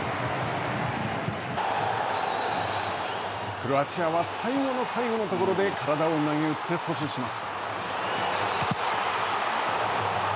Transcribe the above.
クロアチアは最後の最後のところで、体をなげうって阻止します。